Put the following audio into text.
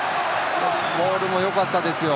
ボールもよかったですよ。